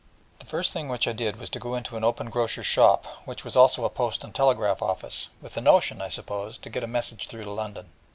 The first thing which I did was to go into an open grocer's shop, which was also a post and telegraph office, with the notion, I suppose, to get a message through to London.